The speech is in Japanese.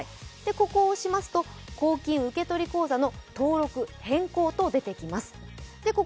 ここを押すと「公金受取口座の変更」と出てきます。